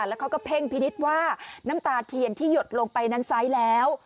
แล้วก็จะเพ่งผิดนิดว่าน้ำตาเทียนที่หยดลงไปนั้นซ้ายแล้ว